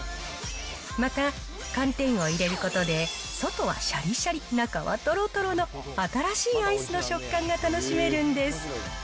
また、寒天を入れることで外はしゃりしゃり、中はとろとろの新しいアイスの食感が楽しめるんです。